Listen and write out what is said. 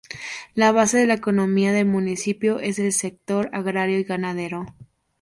La base de la economía del municipio es el sector agrario y ganadero.